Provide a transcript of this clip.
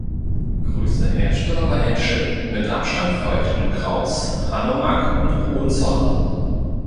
Größter Hersteller war Henschel, mit Abstand folgten Krauss, Hanomag und Hohenzollern.